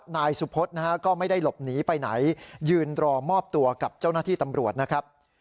นายสุพธนะฮะก็ไม่ได้หลบหนีไปไหนยืนรอมอบตัวกับเจ้าหน้าที่ตำรวจนะครับ